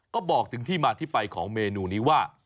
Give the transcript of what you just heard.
ก็บอกถึงที่มาที่ไปของเมนูนี้ว่า